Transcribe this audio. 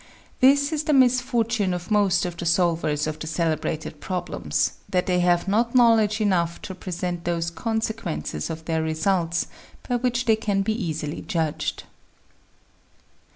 This is the misfortune of most of the solvers of the celebrated problems, that they have not knowledge enough to present those consequences of their results by which they can be easily judged."